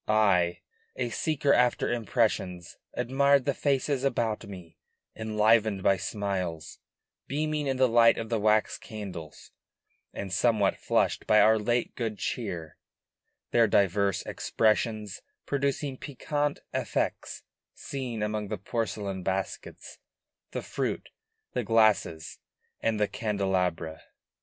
I, a seeker after impressions, admired the faces about me, enlivened by smiles, beaming in the light of the wax candles, and somewhat flushed by our late good cheer; their diverse expressions producing piquant effects seen among the porcelain baskets, the fruits, the glasses, and the candelabra.